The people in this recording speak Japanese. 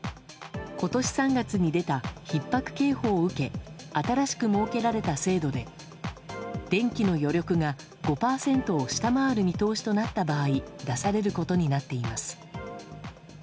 今年３月に出たひっ迫警報を受け新しく設けられた制度で電気の余力が５％を下回る見通しとなった場合出されることになっています。